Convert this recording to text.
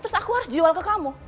terus aku harus jual ke kamu